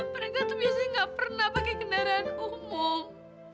mereka tuh biasanya gak pernah pakai kendaraan umum